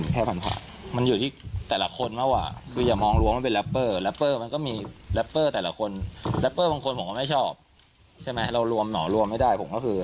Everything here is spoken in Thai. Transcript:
คุณยังโอมเขาทำอะไร